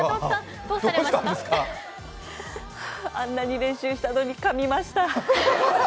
はー、あんなに練習したのにかみました。